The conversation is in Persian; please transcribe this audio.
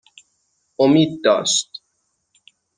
امید داشت